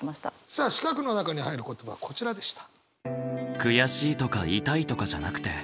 さあ四角の中に入る言葉はこちらでした。